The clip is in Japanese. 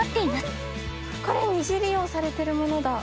これ二次利用されてるものだ。